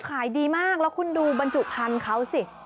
ขายดีมากแล้วคุณดูบรรจุพันธุ์เขาสิ